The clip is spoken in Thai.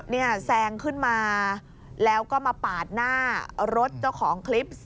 เนี่ยแซงขึ้นมาแล้วก็มาปาดหน้ารถเจ้าของคลิป